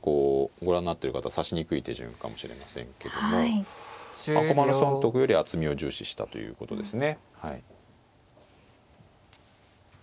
こうご覧になってる方指しにくい手順かもしれませんけども駒の損得より厚みを重視したということですね。